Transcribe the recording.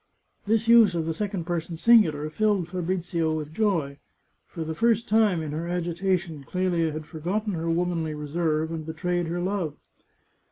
This use of the second person singular filled Fabrizio with joy. For the first time in her agitation, Clelia had for gotten her womanly reserve and betrayed her love.